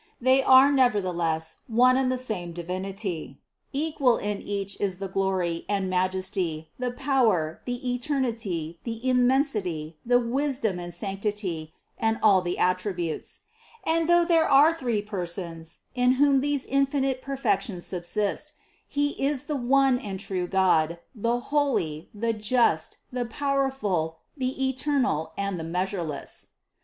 They are nevertheless one and the same Divinity, equal in Each is the glory, and majesty, the power, the eternity, the immensity, the wisdom and sanc tity, and all the attributes. And though there are three Persons, in whom these infinite perfections subsist, He is the one and true God, the Holy, the Just, the Power ful, the Eternal and the Measureless. 28.